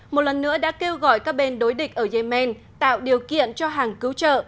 một lần nữa đã kêu gọi các bên đối địch ở yemen tạo điều kiện cho hàng cứu trợ